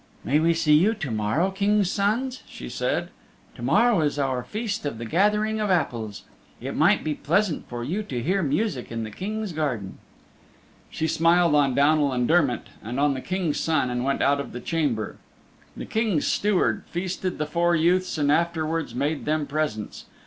"May we see you to morrow, Kings' Sons," she said. "To morrow is our feast of the Gathering of Apples. It might be pleasant for you to hear music in the King's garden." She smiled on Downal and Dermott and on the King's Son and went out of the Chamber. The King's Steward feasted the four youths and afterwards made them presents.